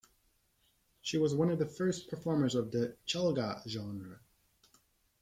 She was one of the first performers of the Chalga genre.